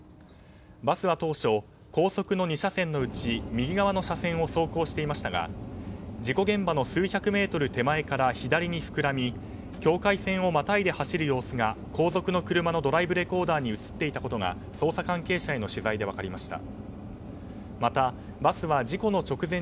バスは当初、高速の２車線のうち右側の車線を走行していましたが事故現場の数百メートル手前から左に膨らみ境界線をまたいで走る様子が後続の車のドライブレコーダーに映っていたことが捜査関係者への取材で分かりました。